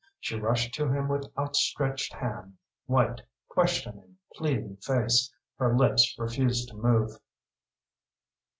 She rushed to him with outstretched hand, white, questioning, pleading face. Her lips refused to move.